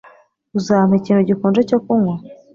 Uzampa ikintu gikonje cyo kunywa?